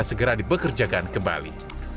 segera dipekerjakan kembali